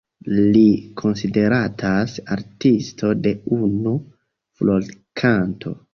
Li konsideratas Artisto de unu furorkanto.